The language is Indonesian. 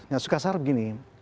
yang kasar begini